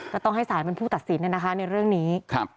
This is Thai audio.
ก็ต้องให้ศาลเป็นผู้ตัดสินนะคะในเรื่องนี้